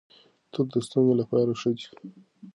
توت د ستوني لپاره ښه دي.